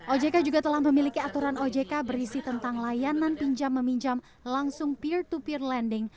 ojk juga telah memiliki aturan ojk berisi tentang layanan pinjam meminjam langsung peer to peer lending